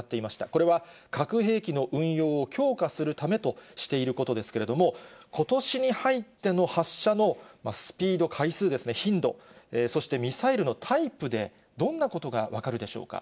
これは核兵器の運用を強化するためとしていることですけれども、ことしに入っての発射のスピード、回数ですね、頻度、そしてミサイルのタイプでどんなことが分かるでしょうか。